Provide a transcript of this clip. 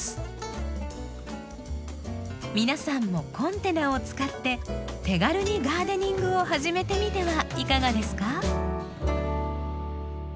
皆さんもコンテナを使って手軽にガーデニングを始めてみてはいかがですか？